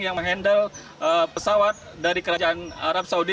yang menghandle pesawat dari kerajaan arab saudi